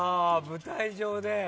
舞台上で。